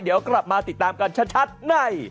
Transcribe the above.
เดี๋ยวกลับมาติดตามกันชัดใน